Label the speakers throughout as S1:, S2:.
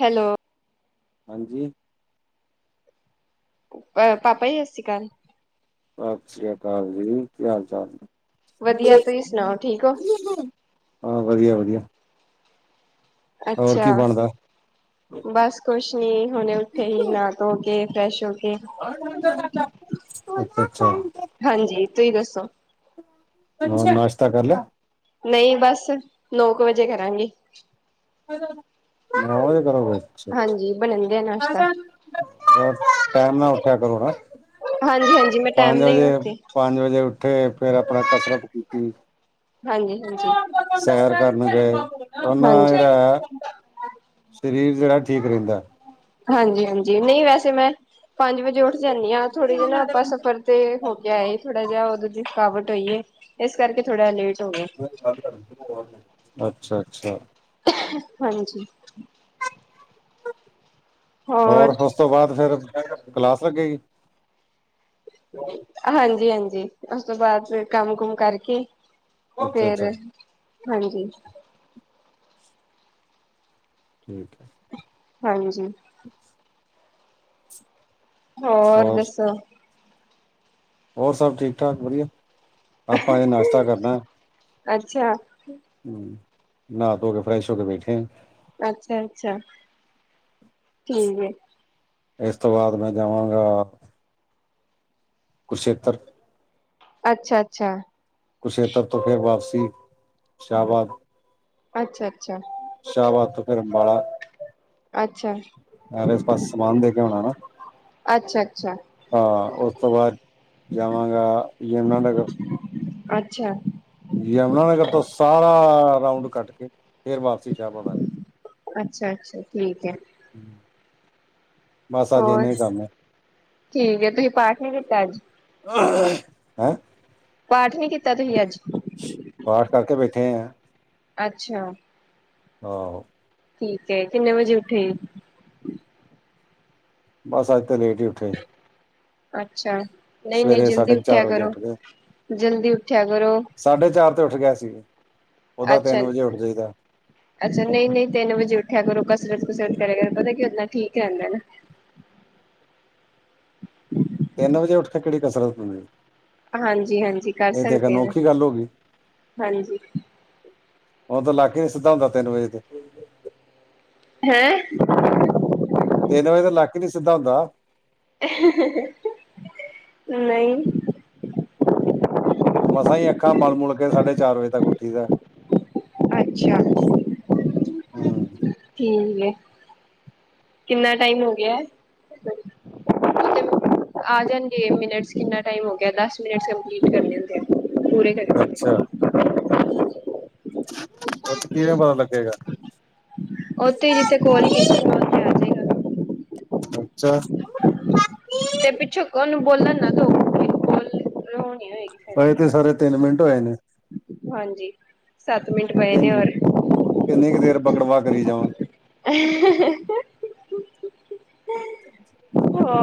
S1: Hello.
S2: ਹਾਂਜੀ।
S1: ਅ ਪਾਪਾ ਹੀ ਸ ਸ਼ ਕਾਲ
S2: ਸਤਿ ਸ਼੍ਰੀ ਅਕਾਲ ਜੀ ਕੀ ਹਾਲ ਚਾਲ ਜ
S1: ਵਧੀਆ ਤੁਸੀਂ ਸੁਣਾਓ ਠੀਕ ਹੋ
S2: ਹਾਂ ਵਧੀਆ ਵਧੀਆ ਹੋਰ
S1: ਅੱਛਾ,
S2: ਕੀ ਬਣਦਾ
S1: ਬਸ ਕੁਛ ਨੀ, ਹੁਣੇ ਉੱਥੇ ਹੀ ਨਾ ਤੋ ਕੇ। ਫਰੈਸ਼ ਹੋ ਕੇ।
S2: [unintelligible] ਅੱਛਾ।
S1: ਹਾਂਜੀ, ਤੁਸੀਂ ਦੱਸੋ?
S2: ਹੋਰ ਨਾਸ਼ਤਾ ਕਰ ਲਿਹਾ?
S1: ਨਹੀਂ ਬਸ, ਨੌ ਕੁ ਵਜੇ ਕਰਾਂਗੀ।
S2: ਹ ਨ ਉਹਦੇ ਕਰਗੇ [unintelligible]
S1: ਹਾਂਜੀ ਬਣਨ ਦਿਆ ਨਾਸ਼ਤਾ।
S2: ਇਕੱਠਾ ਕਰੋ [unintelligible] ਨਾ
S1: ਹਾਂਜੀ-ਹਾਂਜੀ, ਮੈਂ ਟਾਈਮ
S2: ਪੰਜ
S1: ਨਾਲ ਹੀ
S2: ਵਜੇ
S1: ਉੱਠਦੀ,
S2: ਪੰਜ ਵਜੇ ਓਥੇ ਫੇਿਰ ਆਪਣਾ ਕਸਰਤ ਕੀਤੀ
S1: ਹਾਂਜੀ-ਹਾਂਜੀ,
S2: ਸੈਰ ਕਰਨ ਗਏ ਉਹਨਾਂ
S1: ਹਾਂਜੀ।
S2: [unintelligible] ਸਰੀਰ ਜਿਹੜਾ ਠੀਕ ਰਹਿੰਦਾ
S1: ਹਾਂਜੀ ਹਾਂਜੀ ਨਹੀਂ ਵੈਸੇ ਮੈਂ ਪੰਜ ਵਜੇ ਉੱਠ ਜਾਂਦੀ ਹਾਂ ਥੋੜ੍ਹੇ ਜਿਹੇ ਨਾ ਆਪਾਂ ਸਫ਼ਰ ਤੇ ਹੋ ਕੇ ਆਏ ਥੋੜਾ ਜਿਹਾ ਉਦੋਂ ਦੀ ਥਕਾਵਟ ਹੋਈਏ ਇਸ ਕਰਕੇ ਥੋੜਾ ਲੇਟ ਹੋ ਗਏ,
S2: [unintelligible] ਅੱਛਾ ਅੱਛਾ
S1: ਹਾਂਜੀ
S2: ਹੋਰ ਉਸ ਤੋਂ ਬਾਅਦ ਫਿਰ ਕਲਾਸ ਲੱਗੇ ਜੀ
S1: ਹਾਂਜੀ ਹਾਂਜੀ ਉਸ ਤੋਂ ਬਾਅਦ ਕੰਮ ਕੁਮ ਕਰਕੇ
S2: ਅੱਛਾ
S1: ਫਿਰ
S2: ਅੱਛਾ
S1: ਹਾਂਜੀ
S2: ਠੀਕ ਹੈ
S1: ਹਾਂਜੀ। ਹੋਰ ਦੱਸੋ?
S2: ਹੋਰ ਸਭ ਠੀਕ ਠਾਕ ਵਧੀਆ? ਆਪਾਂ ਹਜੇ ਨਾਸ਼ਤਾ ਕਰਨਾ।
S1: ਅੱਛਾ।
S2: ਹਮ, ਨਾ ਧੋ ਕੇ ਫਰੈਸ਼ ਹੋ ਕੇ ਬੈਠੇ ਆ।
S1: ਅੱਛਾ-ਅੱਛਾ ਠੀਕ ਹੈ।
S2: ਇਸ ਤੋਂ ਬਾਅਦ ਮੈਂ ਜਾਵਾਂਗਾ ਕੁਰਸ਼ੇੱਤਰ।
S1: ਅੱਛਾ-ਅੱਛਾ।
S2: ਕੁਰਸ਼ੇਤਰ ਤੋਂ ਫੇਰ ਵਾਪਸੀ ਸ਼ਾਹਬਾਦ।
S1: ਅੱਛਾ-ਅੱਛਾ।
S2: ਸ਼ਾਹਾਬਾਦ ਤੋਂ ਫਿਰ ਅੰਬਾਲਾ।
S1: ਅੱਛਾ
S2: ਯਾਰ ਇਸ ਪਾਸ ਸਮਾਨ ਦੇ ਗਿਆ ਹੋਣਾ ਨਾ।
S1: ਅੱਛਾ। ਅੱਛਾ
S2: ਹਾਂ ਉਸ ਤੋਂ ਬਾਅਦ ਜਾਵਾਂਗਾ ਯਮੁਨਾਨਗਰ।
S1: ਅੱਛਾ।
S2: ਰਾਉਂਡ ਕੱਟ ਕੇ ਫੇਰ ਵਾਪਸੀ ਸ਼ਾਹਾਬਾਦ।
S1: ਅੱਛਾ-ਅੱਛਾ ਠੀਕ ਹੈ।
S2: ਬਸ ਅੱਜ
S1: ਹੋਰ,
S2: ਇੰਨਾ ਹੀ ਕੰਮ ਐ।
S1: ਠੀਕ ਆ ਤੁਸੀਂ ਪਾਠ ਨਹੀਂ ਕੀਤਾ ਅੱਜ?
S2: ਹੈਂ।
S1: ਪਾਠ ਨੀ ਕੀਤਾ ਤੁਸੀਂ ਅੱਜ?
S2: ਪਾਠ ਕਰਕੇ ਬੈਠੇ ਆ।
S1: ਅੱਛਾ।
S2: ਆਹੋ।
S1: ਠੀਕ ਏ, ਕਿੰਨੇ ਵਜੇ ਉੱਠੇ?
S2: ਬਸ ਅੱਜ ਤੇ ਲੇਟ ਹੀ ਉੱਠੇ।
S1: ਅੱਛਾ, ਨਹੀਂ-ਨਹੀਂ
S2: ਸਵੇਰੇ
S1: ਜਲਦੀ
S2: ਸਾਢੇ ਕੁ
S1: ਉੱਠਿਆ
S2: ਚਾਰ ਵਜੇ
S1: ਕਰੋ,
S2: ਉੱਠ ਗਏ,
S1: ਜਲਦੀ ਉੱਠਿਆ ਕਰੋ।
S2: ਸਾਢੇ ਚਾਰ ਉੱਠ ਗਿਆ ਸੀ। ਉਹਦਾ
S1: ਅੱਛਾ
S2: ਤਿੰਨ ਵਜੇ ਉੱਠ ਜਾਈਦਾ।
S1: ਅੱਛਾ ਨਹੀਂ ਨਹੀਂ ਤਿੰਨ ਵਜੇ ਉੱਠਿਆ ਕਰੋ। ਕਸਰਤ ਕਸਰਤ ਕਰੇ ਕਰ ਪਤਾ ਦਨਾ ਠੀਕ ਰਹਿੰਦਾ ਨਾ
S2: ਤਿੰਨ ਵਜੇ ਉਠ ਕੇ ਕਿਹੜ ਕਸਰਤ ਤੁ
S1: ਹਾਂਜੀ ਹਾਂਜੀ! ਕਰ ਸਕਦੇ ਹ ਨਾ
S2: ਗੱਲ ਹੋ ਗਈ
S1: ਹਾਂਜੀ।
S2: ਹੁਣ ਤ ਲਾਕੇ ਨੀ ਸਿੱਧਾ ਹੁੰਦਾ ਤਿੰਨ ਵਜੇ ਤੇ।
S1: ਹੈਂ!
S2: ਤੇਨ ਵਜੇ ਦਾ ਲੱਕ ਹੀ ਨੀ ਸਿੱਧਾ ਹੁੰਦਾ।
S1: ਨਹੀਂ।
S2: ਮਸਾਂ ਹੀ ਅੱਖਾਂ ਮਲ ਮੁਲ ਕੇ ਸਾਢੇ ਚਾਰ ਵਜੇ ਤੱਕ ਉੱਠੀ ਦਾਏ।
S1: ਅੱਛਾ
S2: ਹਮ।
S1: ਠੀਕ ਹੈ ਕਿੰਨਾ ਟਾਈਮ ਹੋ ਗਿਆ ਹੈਂ? ਆ ਜਾਣਗੇ ਮਿੰਨਟ ਚ ਕਿੰਨਾ ਟਾਈਮ ਹੋ ਗਿਆ ਏ? ਦਸ ਮਿੰਨਟ ਕੰਪਲੀਟ ਕਰਨੇ ਹੁੰਦੇ ਏ। ਪੂਰੇ ਕਰ।
S2: ਇਥੇ ਕਿਹੜਾ ਬਾਮ ਲੱਗੇਗਾ।
S1: ਉੱਥੇ ਹੀ ਜਿੱਥੇ ਕੋਲ ਕੀਤੀ ਬੋਲ ਕੇ ਆ ਜੇਗਾ।
S2: ਅੱਛਾ।
S1: ਤੇ ਪਿੱਛੋਂ ਕੋਣ ਬੋਲਣ ਨਾ ਦੋ ਕੋਈ ਬੋਲ
S2: ਹਜੇ ਤੇ ਸਾਰੇ ਤਿੰਨ ਮਿੰਟ ਹੋਏ ਨੇ।
S1: ਹਾਂਜੀ, ਸੱਤ ਮਿੰਟ ਪਏ ਨੇ
S2: ਕਿੰਨ
S1: ਹੋਰ।
S2: ਕਿੰਨੀ ਕੁ ਦੇਰ ਬਕੜਵਾ ਕਰੀ ਜਾਵਾਂ
S1: ਅ ਹ ਹ।
S2: [unintelligible]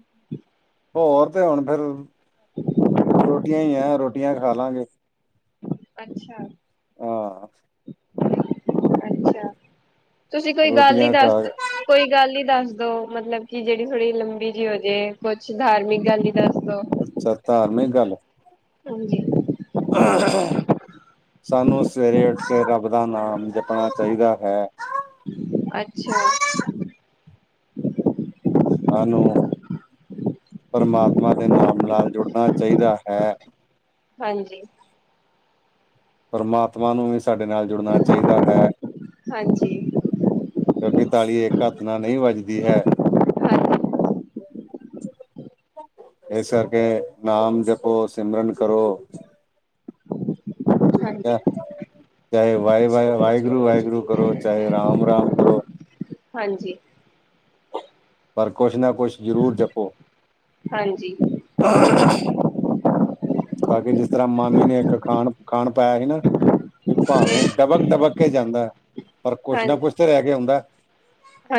S1: [inaudible]
S2: ਹੋਰ ਤੇ ਹੁਣ ਫਿਰ ਰੋਟੀਆਂ ਹੀ ਆ, ਰੋਟੀਆਂ ਖਾ ਲਾਂਗੇ।
S1: ਅੱਛਾ।
S2: ਹਾਂ।
S1: ਅੱਛਾ, ਤੁਸੀਂ ਕੋਈ ਗੱਲ ਨੀ
S2: ਰੋਟੀਆਂ ਖਾ
S1: ਦੱਸ ਕੋਈ ਗੱਲ ਨੀ ਦੱਸਦੇ। ਮਤਲਬ ਕਿ ਜਿਹੜੀ ਥੋੜ੍ਹੀ ਲੰਬੀ ਜਿਹੀ ਹੋਜੇ, ਕੁਛ ਧਾਰਮਿਕ ਗੱਲ। ਦੱਸ ਦੋ।
S2: ਅੱਛਾ ਧਾਰਨੇ ਗੱਲ।
S1: ਹਾਂਜੀ!
S2: ਸਾਨੂੰ ਸਵੇਰੇ ਉੱਠ ਸਵੇਰਾ ਦਾ ਨਾਮ ਜਪਣਾ ਚਾਹੀਦਾ ਹੈ।
S1: ਅੱਛਾ,
S2: ਆਨੂੰ ਪਰਮਾਤਮਾ ਦੇ ਨਾਮ ਨਾਲ ਜੁੜਨਾ ਚਾਹੀਦਾ ਹੈ।
S1: ਹਾਂਜੀ ।
S2: ਪਰਮਾਤਮਾ ਨੂੰ ਵੀ ਸਾਡੇ ਨਾਲ ਜੁੜਨਾ ਚਾਹੀਦਾ ਹੈ।
S1: ਹਾਂਜੀ,
S2: ਕਿਉਂਕਿ ਤਾਲੀ ਇੱਕ ਘੱਤਨਾ ਨਹੀਂ ਵੱਜਦੀ ਹੈ।
S1: ਹਾਂ!
S2: ਇਸ ਕਰਕੇ ਨਾਮ ਜਪੋ ਸਿਮਰਨ ਕਰੋ। ਠੀਕ
S1: ਹਾਂਜੀ!
S2: ਹੈ ਚਾਹੇ ਵਾਹਿ ਵਾ ਵਾਹਿਗੁਰੂ ਵਾਹਿਗੁਰੂ ਕਰੋ ਚਾਹੇ ਰਾਮ ਰਾਮ ਕਰੋ।
S1: ਹਾਂਜੀ।
S2: ਪਰ ਕੁਛ ਨਾ ਕੁਛ ਜ਼ਰੂਰ ਜਪੋ।
S1: ਹਾਂਜੀ।
S2: ਤਾਂ ਕਿ ਜਿਸ ਤਰ੍ਹਾਂ ਮਾਮੀ ਨੇ ਇੱਕ ਖਾਣ ਖਾਣ ਪਾਇਆ ਸੀ, ਨਾ ਕਿ
S1: ਤੇ
S2: ਭਾਵੇਂ ਡਬਕ ਡਬਕ ਕੇ ਜਾਂਦਾ ਪਰ ਕੁਛ
S1: ਹਾਂ
S2: ਨਾ ਕੁਛ ਤਾਂ ਰਹਿ ਕੇ ਆਉਂਦਾ।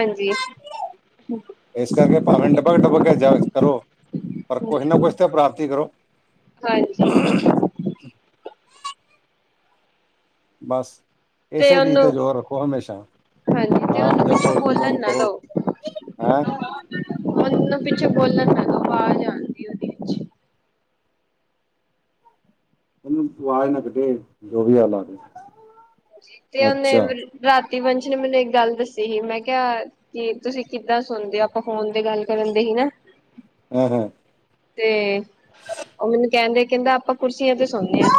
S1: ਹਾਂਜੀ।
S2: ਇਸ ਕਰਕੇ ਭਾਵੇਂ ਡੱਬਕ ਡੁੱਬ ਕੇ ਜਾ ਕਰੋ । ਪਰ ਕੁਛ ਨਾ ਕੁਛ ਤੇ ਪ੍ਰਾਪਤੀ ਕਰੋ।
S1: ਹਾਂਜੀ।
S2: [inaudible] ਬਸ ਇਸੇ ਚੀਜ਼ ਤੇ ਜੋਰ ਰੱਖੋ ਹਮੇਸ਼ਾ।
S1: ਹਾਂਜੀ ਤੇ
S2: ਨਾਮ
S1: ਉਹਨੂੰ ਪਿੱਛੋਂ
S2: ਜਪੋ, ਸਿਮਰਨ
S1: ਬੋਲਣ ਨਾ
S2: ਕਰੋ
S1: ਦੋ।
S2: ਹੈਂ।
S1: ਮੱਤਲਬ ਪਿੱਛੇ ਬੋਲਣ ਦੀ ਆਵਾਜ਼ ਆਉਂਦੀ ਪਿੱਛੇ।
S2: ਉਹਨੂੰ ਆਵਾਜ਼ ਨਾ ਕੱਢੇ ਜੋ ਵੀ ਆ ਲਾ ਦੇ
S1: ਤੇ ਉਹਨੇ ਰਾਤੀ ਵੰਸ਼ ਨੇ ਮੈਨੂੰ ਇੱਕ ਗੱਲ ਦੱਸੀ ਸੀ, ਮੈਂ ਕਿਹਾ ਕਿ ਤੁਸੀਂ ਕਿੱਦਾਂ ਸੁਣਦੇ, ਆਪਾਂ ਫੋਨ ਤੇ ਗੱਲ ਕਰਨ ਡਹੇ ਸੀ ਨਾ।
S2: ਹਾ ਹਾ।
S1: ਤੇ ਉਹ ਮੈਨੂੰ ਕਹਿੰਦੇ, ਕਹਿੰਦਾ ਆਪਾਂ ਕੁਰਸੀਆਂ ਤੇ ਸੌੇਦੇ ਆ।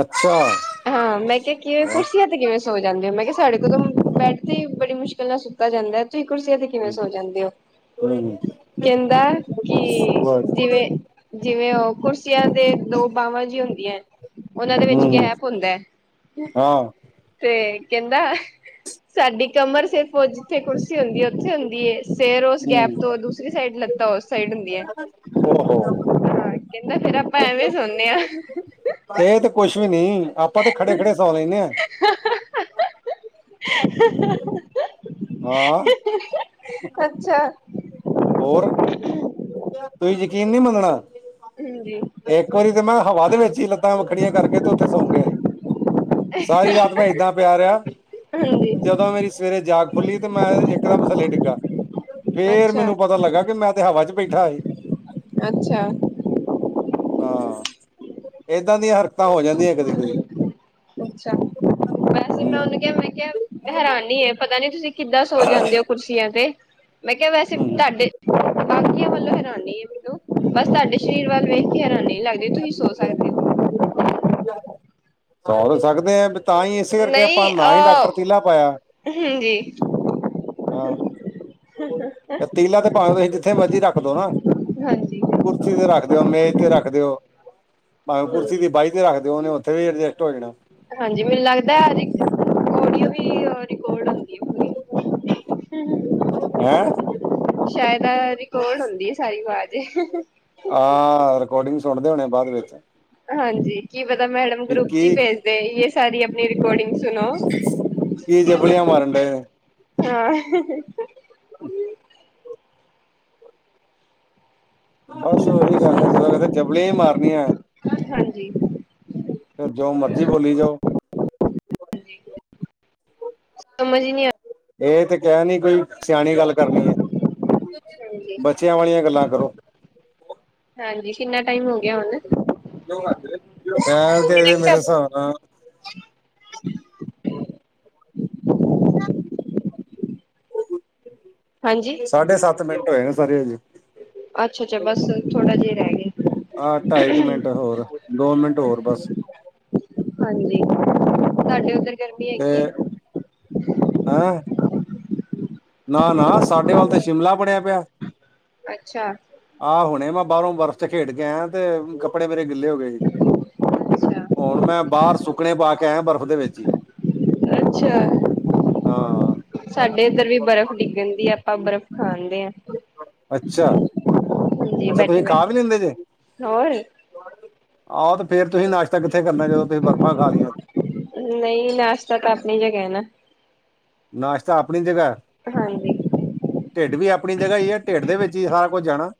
S2: ਅੱਛਾ।
S1: ਹਾਂ, ਮੈਂ ਕਿਹਾ ਕਿਵੇਂ
S2: ਵਾਹ
S1: ਕੁਰਸੀਆਂ ਤੇ ਕਿਵੇਂ ਸੋ ਜਾਂਦੇ ਹੋ ਮੈਂ ਕਿਹਾ ਸਾਡੇ ਕੋਲੋਂ
S2: ਹੂੰ
S1: ਬੈਡ ਤੇ ਬੜੀ ਮੁਸ਼ਕਿਲ ਨਾਲ ਸੁੱਤਾ ਜਾਂਦਾ ਐ, ਤੁਸੀ ਕੁਰਸੀਆਂ ਤੇ ਕਿਵੇਂ
S2: ਹੂੰ
S1: ਸੋ ਜਾਂਦੇ ਹੋ।
S2: ਹੂੰ
S1: ਕਹਿੰਦਾ ਕਿ ਜਿਵੇਂ ਜਿਵੇਂ ਉਹ ਕੁਰਸੀਆਂ ਦੇ ਦੋ ਬਾਹਵਾਂ ਜਿਹਿਆ ਹੁੰਦੀਆਂ, ਉਹਨਾਂ ਦੇ ਵਿੱਚ
S2: ਹੂੰ
S1: ਗੈਪ ਹੁੰਦਾ ਤੇ
S2: ਹਾਂ
S1: ਤੇ ਕਹਿੰਦਾ, ਸਾਡੀ ਕਮਰ ਸਿਰਫ ਜਿੱਥੇ ਕੁਰਸੀ ਹੁੰਦੀ ਹੈ ਉੱਥੇ ਹੁੰਦੀਏ। ਸਿਰ ਉਸ ਗੈਪ
S2: ਹੂੰ
S1: ਤੋਂ ਦੂਸਰੀ ਸਾਈਡ ਲੱਤਾਂ ਉਸ ਸਾਈਡ ਹੁੰਦੀਆਂ।
S2: ਓਹੋ।
S1: ਹਾਂ ਕਹਿੰਦਾ ਫੇਰ ਆਪਾਂ ਐਵੇਂ ਸੌਂਦੇ ਆ।
S2: ਇਹ ਤੇ ਕੁੱਛ ਵੀ ਨੀ, ਆਪਾਂ ਤੇ ਖੜੇ ਖੜੇ ਸੌ ਲੈਂਦੇ ਆ।
S1: [unintelligible]
S2: ਹਾ।
S1: ਅੱਛਾ।
S2: ਹੋਰ ਤੁਸੀਂ ਯਕੀਨ ਨਹੀ ਮੰਨਣਾ।
S1: ਹਾਂਜੀ
S2: ਇੱਕ ਵਾਰੀ ਤੇ ਮੈਂ ਹਵਾ ਦੇ ਵਿੱਚ ਹੀ ਲੱਤਾਂ ਵੱਖਰੀਆਂ ਕਰਕੇ ਤੇ ਉੱਥੇ ਸੌ ਗਿਆ ਸੀ। ਸਾਰੀ ਰਾਤ ਮੈਂ ਏਦਾਂ ਪਿਆ ਰਿਹਾ।
S1: ਹਾਂਜੀ
S2: ਜਦੋਂ ਮੇਰੀ ਸਵੇਰੇ ਜਾਗ ਖੁੱਲੀ ਤੇ ਮੈਂ ਇੱਕਦਮ ਥੱਲੇ ਡਿੱਗਾ। ਫੇਰ
S1: ਅੱਛਾ
S2: ਮੈਨੂੰ ਪਤਾ ਲੱਗਾ ਕਿ ਮੈਂ ਤੇ ਹਵਾ ਚ ਬੈਠਾ ਸੀ
S1: ਅੱਛਾ।
S2: ਹਾਂ, ਏਦਾਂ ਦੀਆਂ ਹਰਕਤਾਂ ਹੋ ਜਾਂਦੀਆਂ ਕਦੀ ਕਦੇ।
S1: ਅੱਛਾ। ਵੈਸੇ
S2: ਹਮ
S1: ਮੈਂ ਉਹਨੂੰ ਕਿਹਾ ਮੈਂ ਕਿਹਾ ਹੈਰਾਨੀ ਏ, ਪਤਾ ਨੀ ਤੁਸੀਂ ਕਿੱਦਾਂ ਸੋ ਜਾਂਦੇ ਹੋ ਕੁਰਸੀਆਂ ਤੇ। ਮੈਂ ਕਿਹਾ ਵੈਸੇ
S2: ਹਮ
S1: ਤੁਹਾਡੇ ਵਰਗੀਆਂ ਵੱਲੋਂ ਹੈਰਾਨੀ ਏ। ਬਸ ਤੁਹਾਡੇ ਸਰੀਰ ਵੱਲ ਵੇਖਕੇ ਹੈਰਾਨੀ ਲੱਗਦੀ ਤੁਸੀਂ ਸੋ ਸਕਦੇ ਔ।
S2: ਸੌ ਸਕਦੇ ਆ ਤਾਂ ਹੀ ਇਸੇ
S1: ਹੋ
S2: ਕਰਕੇ ਆਪਾਂ
S1: ਨਹੀਂ
S2: ਨਾ ਹੀ
S1: ਅ
S2: ਡਾਕਟਰ ਤੀਲਾ ਪਾਇਆ।
S1: [unintelligible]
S2: ਹਾਂ ਤੇ ਤੀਲਾ ਤੇ ਭਾਵੇਂ ਤੁਸੀਂ ਜਿੱਥੇ ਮਰਜੀ ਰੱਖਦੋ ਨਾ।
S1: ਹਾਂਜੀ
S2: ਕੁਰਸੀ ਤੇ ਰੱਖ ਦਿਉ, ਮੇਜ ਤੇ ਰੱਖ ਦਿਉ ਭਾਵੇਂ ਕੁਰਸੀ
S1: ਹਾਂਜੀ
S2: ਦੀ ਬਾਈ ਤੇ ਰੱਖ ਦਿਉ ਉਹਨੇ ਉੱਥੇ ਵੀ ਐਡਜਸਟ ਹੋ ਜਾਣਾ।
S1: ਹਾਂਜੀ, ਮੈਨੂੰ ਲੱਗਦਾ ਹਰ ਇੱਕ ਔਡਿਓ ਵੀ ਰਿਕਾਰਡ ਹੁੰਦੀ ਆ।
S2: ਆ।
S1: ਸ਼ਾਇਦ ਰਿਕਾਰਡ ਹੁੰਦੀ ਹੈ ਸਾਰੀ ਆਵਾਜ਼
S2: ਹਾਂ, ਰਿਕੋਡਿੰਗ ਸੁਣਦੇ ਹੋਣੇ ਆ ਬਾਅਦ ਵਿੱਚ।
S1: ਹਾਂਜੀ, ਕੀ ਪਤਾ ਮੈਡਮ
S2: ਕਿ
S1: ਗਰੁੱਪ ਚ ਹੀ
S2: ਕੀ
S1: ਭੇਜਦੇ, ਇਹ ਸਾਰੀ ਆਪਣੀ ਰਿਕੋਡਿੰਗ ਸੁਣੋ।
S2: ਕੀ ਜਬਲੀਆ ਮਾਰਨ ਡਹੇ ਆ।
S1: ਹਾਂ।
S2: [unintelligible] ਬਸ ਉਹੀ ਗੱਲ ਐ ਜਦੋਂ ਵੇਖੋ ਜਬਲੀਆ ਮਾਰਨੀਆਂ।
S1: ਹਾਂਜੀ
S2: ਫਿਰ ਜੋ ਮਰਜ਼ੀ ਬੋਲੀ ਜਾਓ।
S1: ਸਮਝ ਨਹੀ ਆ
S2: ਇਹ ਤੇ ਕਹਿ ਨੀ ਕੋਈ। ਸਿਆਣੀ ਗੱਲ ਕਰਨੀ ਹੈ
S1: ਹਾਂਜੀ
S2: ਬੱਚਿਆਂ ਵਾਲੀਆਂ ਗੱਲਾਂ ਕਰੋ।
S1: ਹਾਂਜੀ। ਕਿੰਨਾ ਟਾਈਮ ਹੋ ਗਿਆ ਹੁਣ
S2: ਅਹ ਤੇਰੇ ਮੇਰੇ ਹਿਸਾਬ ਨਾਲ।
S1: ਹੂੰ।
S2: ਸਾਢੇ ਸੱਤ ਮਿੰਟ ਹੋਏ ਹੈ ਸਾਰੇ ਹਜੇ।
S1: ਅੱਛਾ-ਅੱਛਾ ਬਸ ਥੋੜਾ ਜਿਹਾ ਰਹਿ ਗਿਆ ਹੈ।
S2: ਆਹ ਢਾਈ ਕੁ ਮਿੰਟ ਹੋਰ ਦੋ ਮਿੰਟ ਹੋਰ ਬਸ।
S1: ਹਾਂਜੀ ਤੁਹਾਡੇ ਉੱਧਰ ਗਰਮੀ
S2: ਤੇ
S1: ਹੈਗੀ ਹੈ?
S2: ਨਾ-ਨਾ ਸਾਡੇ ਵੱਲ ਤਾਂ ਸ਼ਿਮਲਾ ਬਣਿਆ ਪਿਆ ਹੈ।
S1: ਅੱਛਾ।
S2: ਆਹ ਹੁਣੇ ਮੈਂ ਬਾਹਰੋਂ ਬਰਫ਼ ਚ ਖੇਡ ਕੇ ਆਇਆ ਤੇ ਕੱਪੜੇ ਮੇਰੇ ਗਿੱਲੇ ਹੋ ਗਏ ਸੀ।
S1: ਅੱਛਾ
S2: ਹੁਣ ਮੈਂ ਬਾਹਰ ਸੁੱਕਣੇ ਪਾ ਕੇ ਆਇਆ ਹੈ ਬਰਫ਼ ਦੇ ਵਿੱਚ ਹੀ।
S1: ਅੱਛਾ
S2: ਹਾਂ
S1: ਸਾਡੇ ਇੱਧਰ ਵੀ ਬਰਫ਼ ਡਿੱਗ ਜਾਂਦੀ ਹੈ ਆਪਾਂ ਬਰਫ਼। ਖਾਂਦੇ ਆ
S2: ਅੱਛਾ।
S1: ਹਾਂਜੀ
S2: ਅੱਛਾ
S1: ਬੈਠੇ
S2: ਤੁਸੀਂ ਖਾ
S1: ਬੈਠੇ
S2: ਵੀ ਲੈਂਦੇ ਜੇ
S1: ਹੋਰ
S2: ਹਾਂ ਉਹ ਤੇ। ਫੇਰ ਤੁਸੀਂ ਨਾਸ਼ਤਾ ਕਿੱਥੇ ਕਰਨਾ ਜਦੋਂ ਤੁਸੀਂ ਬਰਫ਼ਾਂ ਖਾ ਲਈਆਂ ਹੁਣ।
S1: ਨਹੀਂ ਨਾਸ਼ਤਾ ਤਾਂ ਆਪਣੀ ਜਗ੍ਹਾ ਨਾ।
S2: ਨਾਸ਼ਤਾ ਆਪਣੀ ਜਗ੍ਹਾ
S1: ਹਾਂਜੀ
S2: ਢਿੱਡ ਵੀ ਆਪਣੀ ਜਗ੍ਹਾ ਹੀ ਹੈ ਢਿੱਡ ਦੇ ਵਿੱਚ। ਹੀ ਸਾਰਾ ਕੁੱਝ ਜਾਣਾ ਹੈ।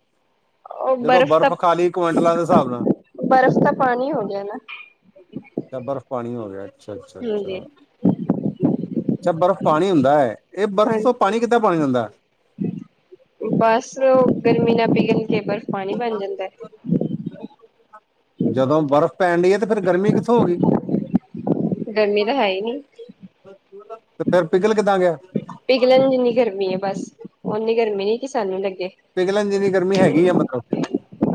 S1: ਉਹ
S2: ਜਦੋਂ
S1: ਤਾਂ
S2: ਬਰਫ਼ ਖਾ ਲਈ ਕੁਇੰਟਲਾਂ ਦੇ ਹਿਸਾਬ ਨਾਲ?
S1: ਬਰਫ਼ ਤਾਂ ਪਾਣੀ ਹੋ ਗਿਆ ਨਾ
S2: ਅੱਛਾ ਬਰਫ਼ ਪਾਣੀ ਹੋ ਗਿਆ
S1: ਹਾਂਜੀ
S2: ਅੱਛਾ-ਅੱਛਾ-ਅੱਛਾ। ਅੱਛਾ, ਬਰਫ਼ ਪਾਣੀ ਹੁੰਦਾ ਹੈ। ਇਹ ਬਰਫ਼ ਤੋਂ ਪਾਣੀ ਕਿੱਦਾਂ ਬਣ
S1: ਹਾਂਜੀ
S2: ਜਾਂਦਾ
S1: ਬਸ ਗਰਮੀ ਨਾਲ ਪੀਘਲ। ਪਾਣੀ ਬਣ ਜਾਂਦਾ ਹੈ।
S2: ਜਦੋਂ ਬਰਫ਼ ਪੈਣ ਡਈ ਹੈ ਤੇ ਫੇਰ ਗਰਮੀ ਕਿੱਥੋਂ ਹੋ ਗਈ?
S1: ਗਰਮੀ ਤਾਂ ਹੈ ਹੀ ਨੀ।
S2: ਤੇ ਫਿਰ ਪਿਘਲ ਕਿੱਦਾਂ ਗਿਆ
S1: ਪਿਘਲ ਜਿੰਨੀ ਗਰਮੀ ਹੈ ਬਸ ਓਨੀ ਗਰਮੀ ਨੀ ਕਿ ਸਾਨੂੰ ਲੱਗੀ।
S2: ਪਿਘਲਣ ਜਿੰਨੀ ਗਰਮੀ ਹੈਗੀ ਆ ਮਤਲਬ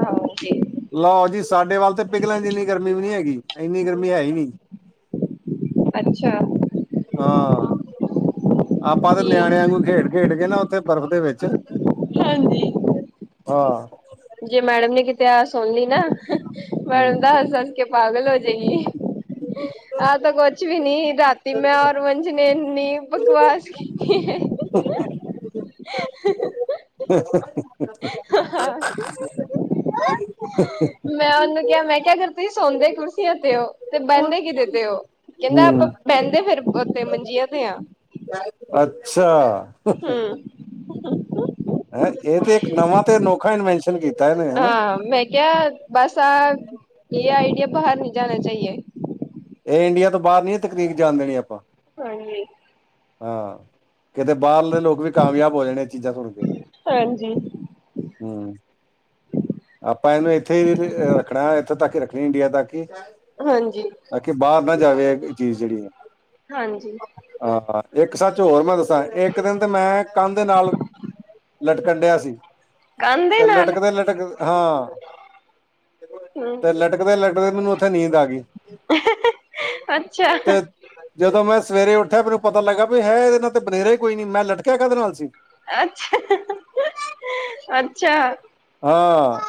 S1: ਹਾਂਜੀ
S2: ਲਓ ਜੀ। ਸਾਡੇ ਵੱਲ ਤੇ ਪਿਘਲਣ ਜਿੰਨੀ ਗਰਮੀ ਵੀ ਨਹੀਂ ਹੈਗੀ ਇੰਨੀ ਗਰਮੀ ਹੈ ਹੀ ਨੀ।
S1: ਅੱਛਾ।
S2: ਹਾਂ ਆਪਾਂ ਤੇ ਨਿਆਣਿਆ
S1: ਠੀਕ
S2: ਵਾਂਗੂੰ ਖੇਡ ਖੇਡ ਕੇ ਨਾ। ਤੇ ਬਰਫ਼ ਦੇ ਵਿੱਚ।
S1: ਹਾਂਜੀ।
S2: ਹਾਂ।
S1: ਜੇ ਮੈਡਮ ਨੇ ਕਿਤੇ ਆ ਸੁਣ ਲਈ ਨਾ
S2: ਹੂੰ
S1: ਮੈਡਮ ਦਾ ਹੱਸ ਹੱਸ ਕੇ। ਪਾਗ਼ਲ ਹੋ ਜੇਗੀ। ਆਹ ਤਾਂ ਕੁਛ ਵੀ ਨੀ ਰਾਤੀ ਮੈਂ ਔਰ ਵੰਸ਼ ਨੇ ਇੰਨੀ ਬਕਵਾਸ ਕੀਤੀ।
S2: ਹਹ।
S1: ਹਹ।
S2: ਹੂੰ।
S1: ਹਾਂ ਮੈਂ ਉਹਨੂੰ। ਕਿਹਾ ਮੈਂ ਅਗਰ ਕਰ ਤੁਸੀਂ ਸੌਂਦੇ ਕੁਰਸੀਆਂ ਤੇ ਹੋ ਤੇ ਬਹਿੰਦੇ ਕਿਹਦੇ ਤੇ ਹੋ ਕਹਿੰਦਾ ਆਪਾਂ
S2: ਹੂੰ
S1: ਬਹਿੰਦੇ ਫੇਰ। ਉੱਥੇ ਮੰਜੀਆਂ ਤੇ ਆ।
S2: ਅੱਛਾ।
S1: ਹੂੰ।
S2: ਹੈ ਇਹ ਤੇ ਇੱਕ ਨਵਾਂ ਤੇ ਅਨੋਖਾ ਇਨਵੈਸ਼ਨ ਕੀਤਾ ਇਹਨੇ ਹਨਾ।
S1: ਹਾਂ ਮੈਂ ਕਿਹਾ ਬਸ ਅਹ ਇਹ ਆਈਡੀਆ ਬਾਹਰ ਨਹੀਂ ਜਾਨਾ ਚਾਹੀਏ।
S2: ਇਹ ਇੰਡੀਆ ਤੋਂ ਬਾਹਰ ਨਹੀਂ ਇਹ ਤਕਨੀਕ ਜਾਣ ਦੇਣੀ ਆਪਾਂ।
S1: ਹਾਂਜੀ।
S2: ਹਾਂ ਕਿਤੇ ਬਾਹਰਲੇ ਲੋਕ ਵੀ ਕਾਮਯਾਬ ਹੋ ਜਾਣੇ ਇਹ ਚੀਜ਼ਾਂ ਸੁਣ ਕੇ।
S1: ਹਾਂਜੀ,
S2: ਹਮ। ਆਪਾਂ ਇਹਨੂੰ ਇੱਥੇ ਰੱਖਣਾ ਇੱਥੋਂ ਤੱਕ ਹੀ ਰੱਖਣੀ ਇੰਡੀਆ ਤੱਕ ਹੀ।
S1: ਹਾਂਜੀ,
S2: ਤਾਂ ਕਿ ਬਾਹਰ ਨਾ ਜਾਵੇ ਇਹ ਚੀਜ਼ ਜਿਹੜੀ ਹੈ।
S1: ਹਾਂਜੀ।
S2: ਹਾਂ ਇੱਕ ਸੱਚ ਹੋਰ ਮੈਂ ਦੱਸ ਇੱਕ ਦਿਨ ਤੇ ਮੈਂ ਕੰਧ ਨਾਲ ਲਟਕੰਡਿਆ ਸੀ
S1: ਕੰਨ ਦੇ
S2: ਤੇ
S1: ਨਾਲ
S2: ਲਟਕਦੇ ਲਟਕਦੇ ਹਾਂ।
S1: ਹੂੰ
S2: ਤੇ ਲਟਕਦੇ ਲਟਦੇ ਮੈਨੂੰ ਉਓਥੇ ਨੀਂਦ ਆ ਗਈ।
S1: ਅੱਛਾ।
S2: ਤੇ ਜਦੋਂ ਮੈਂ ਸਵੇਰੇ ਉੱਠਿਆ ਮੈਨੂੰ ਪਤਾ ਲੱਗਾ ਵੀ ਹੈ ਇਹਦੇ ਨਾਲ ਤੇ ਬਨੇਰੇ ਕੋਈ ਨੀ ਮੈਂ ਲਟਕਿਆ ਕਾਹਹਦੇ ਨਾਲ ਸੀ।
S1: ਅੱਛਾ ਅੱਛਾ।
S2: ਹਾਂ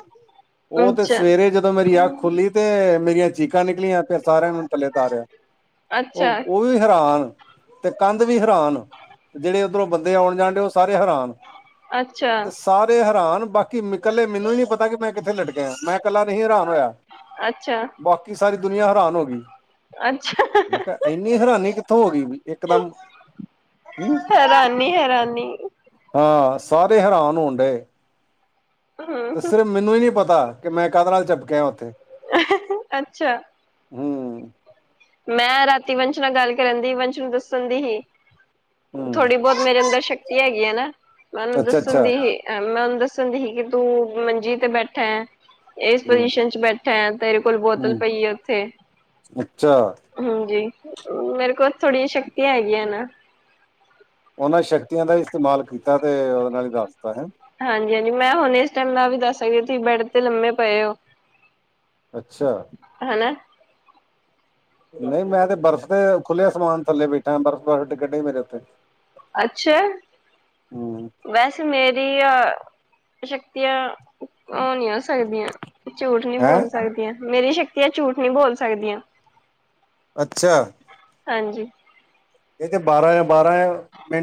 S2: ਉਹ ਤੇ
S1: ਅੱਛਾ,
S2: ਸਵੇਰੇ ਜਦੋਂ ਮੇਰੀ ਅਖ ਖੁੱਲੀ ਤੇ ਮੇਰੀਆਂ ਾਂ ਨਿਕਲੀਆਂ ਫਿਰ ਸਾਰਿਆਂ ਨੂੰ ਥੱਲੇ ਤਾਰਿਆ ਉਹ
S1: ਅੱਛਾ,
S2: ਉਹ ਵੀ ਹੈਰਾਨ ਤੇ ਕੰਧ ਵੀ ਹੈਰਾਨ ਜਿਹੜੇ ਉੱਧਰੋਂ ਬੰਦੇ ਆਉਣ ਜਾਣ ਡ ਉਹ ਸਾਰੇ ਹੈਰਾਨ
S1: ਅੱਛਾ,
S2: ਤੇ ਸਾਰੇ ਹੈਰਾਨ ਬਾਕੀ ਬਾ ਇਕੱਲੇ ਮੈਨੂੰ ਹੀ ਨੀ ਪਤਾ ਕਿ ਮੈਂ ਕਿੱਥੇ ਲਟਕੇ ਮੈਂ ਇਕੱਲਾ ਨਹੀਂ ਹੈਰਾਨ ਹੋਇਆ
S1: ਅੱਛਾ
S2: ਬਾਕੀ ਸਾਰੀ ਦੁਨੀਆਂ ਹੈਰਾਨ ਹੋ ਗਈ
S1: ਅੱਛਾ
S2: ਮੈਂ ਕਿਹਾ ਇੰਨੀ ਹੈਰਾਨੀ ਕਿੱਥੋਂ ਹੋ ਗਈ। ਇੱਕਦਮ ਹ।
S1: ਹੈਰਾਨੀ-ਹੈਰਾਨੀ
S2: ਹਾਂ ਸਾਰੇ ਹੈਰਾਨ ਹੋਣ ਡਏ। ਤੇ
S1: ਹੂੰ
S2: ਸਿਰਫ ਮੈਨੂੰ ਹੀ ਨਹੀਂ ਪਤਾ ਕਿ ਮੈਂ ਕਧਾਲ ਚਪ ਕੇ ਆ ਉੱਥੇ।
S1: ਅੱਛਾ।
S2: ਹਮ।
S1: ਮੈਂ ਰਾਤੀ ਵੰਸ਼ ਨਾਲ ਗੱਲ ਕਰਨ ਦੀ ਵੰਸ਼ ਨੂੰ ਦੱਸਣ ਦੀ ਹੀ।
S2: ਹੂੰ
S1: ਥੋੜ੍ਹੀ ਬਹੁਤ ਮੇਰੇ ਅੰਦਰ ਸ਼ਕਤੀ ਹੈਗੀ ਆ ਨਾ ਮੈਂ ਉਹਨੂੰ
S2: ਅੱਛਾ
S1: ਦੱਸਣ
S2: ਅੱਛਾ
S1: ਦੀ ਹੀ ਮੈਂ ਉਹਨੂੰ ਦ ਦ ਹੁੰਦੀ ਸੀ ਕਿ ਤੂੰ ਮੰਜੀ ਤੇ ਬੈਠਾ ਇਸ
S2: ਹੂੰ
S1: ਪੁਜੀਸ਼ਨ ਚ ਬੈਠਾ ਹੈ ਤੇਰੇ ਕੋਲ ਬੋਤਲ ਪਈ ਹੈ ਉੱਥੇ
S2: ਚ
S1: ਜੀ ਮੇਰੇ ਕੋਲ ਥੋੜੀਆਂ ਸ਼ਕਤੀਆਂ ਹੈਗੀਆਂ ਨਾ।
S2: ਉਹਨਾਂ ਸ਼ਕਤੀਆਂ ਦਾ ਇਸਤੇਮਾਲ ਕੀਤਾ ਤੇ ਉਹਦੇ ਨਾਲ ਹੀ ਦੱਸਤਾ ਹੈ।
S1: ਹਾਂਜੀ ਹਾਂਜੀ ਮੈਂ ਹੁਣ ਇਸ ਟਾਈਮ ਨਾਲ ਵੀ ਦੱਸ ਸਕਦੇ ਤੁਸੀਂ ਬੈਡ ਤੇ ਲੰਮੇ ਪਏ ਹੋ।
S2: ਅੱਛਾ।
S1: ਹੈਨਾ
S2: ਨਹੀਂ ਮੈਂ ਤੇ ਬਰਫ਼ ਦੇ ਖੂਲੇ ਅਸਮਾਨ ਥੱਲੇ ਬੈਠਾ ਆਂ, ਬਰਫ਼ ਦੇ ਗੱਡੇ ਗਿਰੇ ਮੇਰੇ ਉੱਤੇ
S1: ਅੱਛਾ,
S2: ਹੂੰ
S1: ਵੈਸੇ ਮੇਰੀ ਏਆ ਸ਼ਕਤੀਆਂ ਹੋਣੀਆਸ ਸ਼ਕਦੀਆਂ ਝੂਠ ਨੀ
S2: ਹੈ
S1: ਬੋਲ ਸਕਦੀਆਂ, ਮੇਰੀ ਸ਼ਕਤੀਆ ਝੂਠ ਨੀ ਬੋਲ ਸਕਦੀਆਂ।
S2: ਅੱਛਾ।
S1: ਹਾਂਜੀ।
S2: ਇਹ ਤੇ ਬਾਰਾਂ ਆ, ਬਾਰਾਂ ਮਿੰਟ